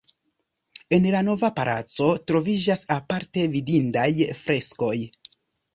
En la Nova Palaco troviĝas aparte vidindaj freskoj.